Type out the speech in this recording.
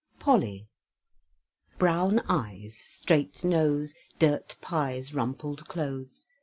POLLY Brown eyes, straight nose; Dirt pies, rumpled clothes.